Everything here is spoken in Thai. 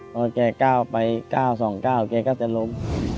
ตอนแก่ก้าวไปก้าวสองก้าวแก่ก็จะล้ม